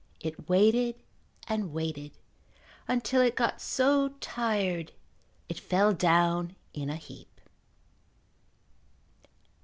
It waited and waited until it go so tired it fell down in a heap.